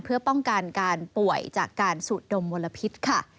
เพื่อป้องกันการป่วยจากการสูดดมมลพิษค่ะ